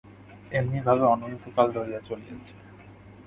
এমনি ভাবে অনন্তকাল ধরিয়া চলিয়াছে।